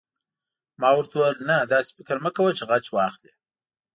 ما ورته وویل: نه، داسې فکر مه کوه چې غچ واخلې.